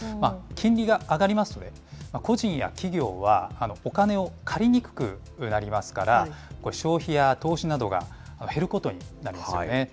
金利が上がりますと、個人や企業は、お金を借りにくくなりますから、消費や投資などが減ることになるんですよね。